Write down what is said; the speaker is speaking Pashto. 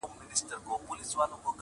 لکه وروڼه یو له بله سره ګران ول -